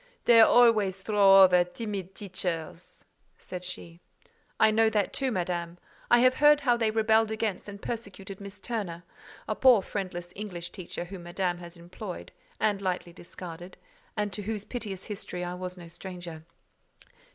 "They always throw over timid teachers," said she. "I know that too, Madame; I have heard how they rebelled against and persecuted Miss Turner"—a poor friendless English teacher, whom Madame had employed, and lightly discarded; and to whose piteous history I was no stranger.